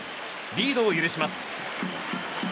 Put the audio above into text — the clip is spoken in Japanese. リードを許します。